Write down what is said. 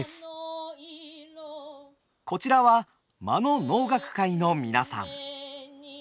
こちらは真野能楽会の皆さん。